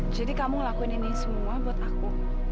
jadi kamu ngelakuin ini semua buat aku